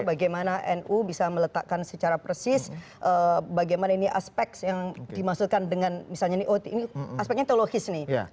bagaimana nu bisa meletakkan secara persis bagaimana ini aspek yang dimaksudkan dengan misalnya ini aspeknya teologis nih